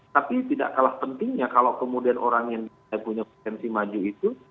tapi tidak kalah pentingnya kalau kemudian orang yang tidak punya potensi maju itu